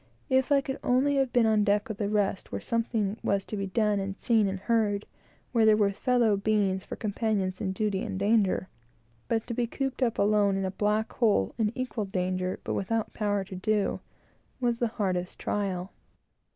If I could only have been on deck with the rest, where something was to be done, and seen, and heard; where there were fellow beings for companions in duty and danger but to be cooped up alone in a black hole, in equal danger, but without the power to do, was the hardest trial.